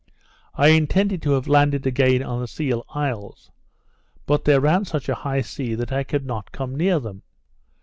I intended to have landed again on the Seal Isles; but there ran such a high sea that I could not come near them.